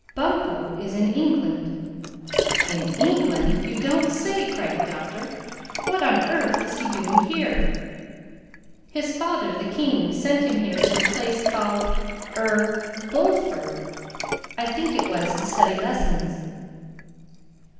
—Bumpo is in England!" "In England!—You don't say!" cried the Doctor. "What on earth is he doing here?" "His father, the king, sent him here to a place called—er—Bullford, I think it was—to study lessons."